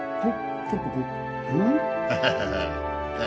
ハハハハ。